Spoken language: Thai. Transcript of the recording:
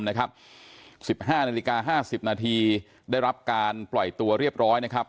๑๕นาฬิกา๕๐นาทีได้รับการปล่อยตัวเรียบร้อยนะครับ